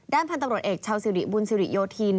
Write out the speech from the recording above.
แด้มพันธ์ตำรวจเอกชาวสิวดิบุญสิวดิโยธิน